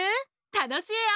たのしいよ。